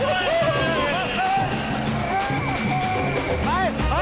หรือใครกำลังร้อนเงิน